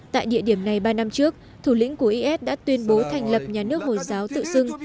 tại địa điểm này ba năm trước thủ lĩnh của is đã tuyên bố thành lập nhà nước hồi giáo tự xưng